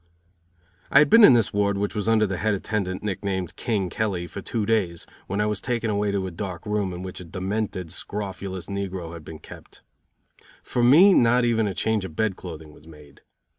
I had been in this ward, which was under the Head Attendant, nick named "King" Kelly, for two days, when I was taken away to a dark room in which a demented, scrofulous negro had been kept. For me not even a change of bed clothing was made.